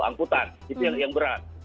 angkutan itu yang berat